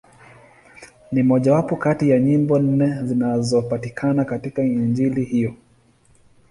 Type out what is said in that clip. Ni mmojawapo kati ya nyimbo nne zinazopatikana katika Injili hiyo.